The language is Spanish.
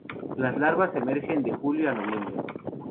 Las larvas emergen de julio a noviembre.